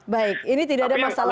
baik ini tidak ada masalah